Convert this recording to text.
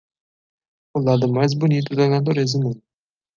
O lado mais bonito da natureza humana